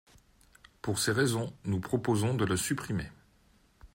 Pour ces raisons, nous proposons de le supprimer.